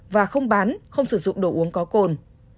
và không bán không sử dụng đồ uống có cồn